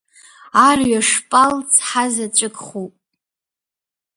Арҩаш пал цҳа-заҵәык хуп.